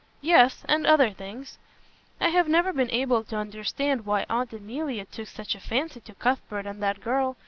"Yes, and other things. I have never been able to understand why Aunt Emilia took such a fancy to Cuthbert and that girl.